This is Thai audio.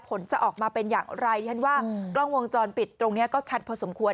ผลจะออกมาเป็นอย่างไรฉันว่ากล้องวงจรปิดตรงนี้ก็ชัดพอสมควร